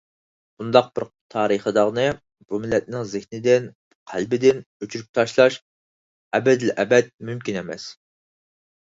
بۇنداق بىر تارىخىي داغنى بۇ مىللەتنىڭ زېھنىدىن، قەلبىدىن ئۆچۈرۈپ تاشلاش ئەبەدىلئەبەد مۇمكىن ئەمەس.